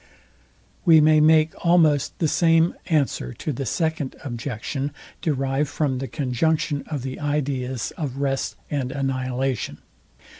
We may make almost the same answer to the second objection, derived from the conjunction of the ideas of rest and annihilation.